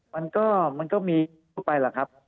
มันก็มีไปหรอกครับ